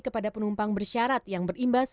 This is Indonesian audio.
kepada penumpang bersyarat yang berimbas